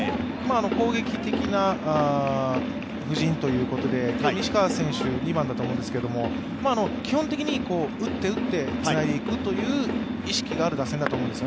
攻撃的な布陣ということで、今日、西川選手、２番だと思うんですけど、基本的に打って打ってつないでいくという意識がある打線だと思うんです。